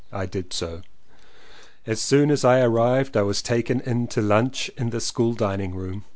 I did so. As soon as I arrived I was taken in to lunch in the school dining room.